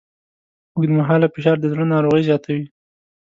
اوږدمهاله فشار د زړه ناروغۍ زیاتوي.